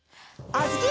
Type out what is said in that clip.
あづき！